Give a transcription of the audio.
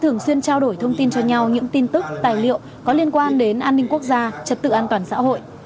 thường xuyên trao đổi thông tin cho nhau những tin tức tài liệu có liên quan đến an ninh quốc gia trật tự an toàn xã hội